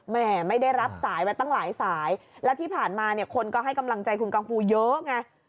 แม่ไม่ได้รับสายมาตั้งหลายสายและที่ผ่านมาเนี่ยคนก็ให้กำลังใจคุณกังฟูเยอะไง